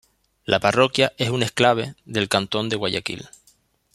La parroquia es un exclave del cantón Guayaquil.